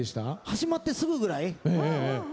始まってすぐぐらい。